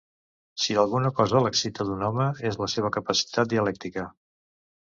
Si alguna cosa l'excita d'un home és la seva capacitat dialèctica.